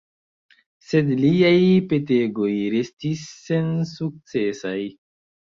Sed liaj petegoj restis sensukcesaj.